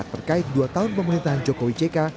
terkait dua tahun pemerintahan jokowi jk